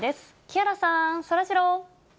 木原さん、そらジロー。